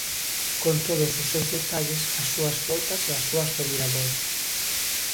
Con todos os seus detalles, as súas voltas e as súas reviravoltas.